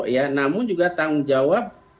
ya namun juga tanggung jawab